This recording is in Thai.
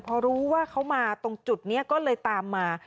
พอรู้ว่าเขามาตรงจุดนี้ก็เลยตามมา